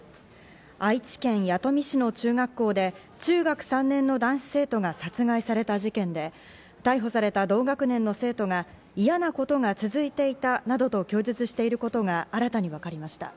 愛知県弥富市の中学校で中学３年の男子生徒が殺害された事件で、逮捕された同学年の生徒が嫌なことが続いていたなどと供述していることが新たに分かりました。